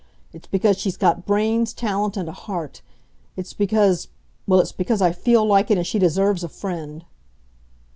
It's because she's got brains, talent, and a heart. It's because well, it's because I feel like it, and she deserves a friend."